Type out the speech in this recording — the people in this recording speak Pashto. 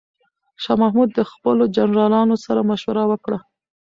شاه محمود د خپلو جنرالانو سره مشوره وکړه.